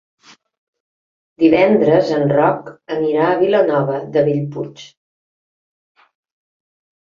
Divendres en Roc anirà a Vilanova de Bellpuig.